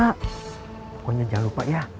pokoknya jangan lupa ya